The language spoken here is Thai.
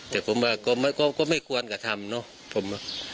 แต่ผมก็ไม่คล้วนกับจำเนอะ